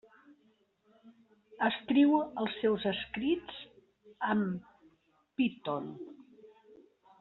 Escriu els seus scripts en Python.